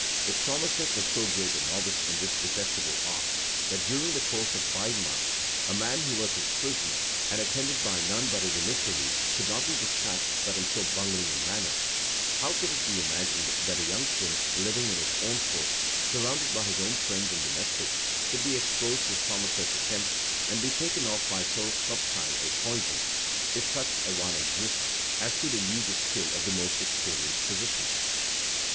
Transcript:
If Somerset was so great a novice in this detestable art, that, during the course of five months, a man who was his prisoner and attended by none but his emissaries, could not be despatched but in so bungling a manner, how could it be imagined, that a young prince, living in his own court, surrounded by his own friends and domestics, could be exposed to Somerset's attempts, and be taken off by so subtile a poison, if such a one exist, as could elude the skill of the most experienced physicians?